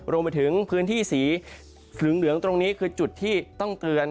รวมไปถึงพื้นที่สีเหลืองตรงนี้คือจุดที่ต้องเตือน